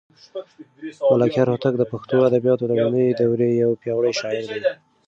ملکیار هوتک د پښتو ادبیاتو د لومړنۍ دورې یو پیاوړی شاعر دی.